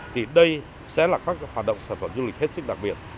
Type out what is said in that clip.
thì đây sẽ là các hoạt động sản phẩm du lịch hết sức đặc biệt